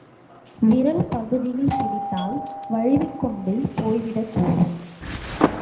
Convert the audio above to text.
விரல் பகுதியில் பிடித்தால், வழுவிக் கொண்டு போய்விடக்கூடும்.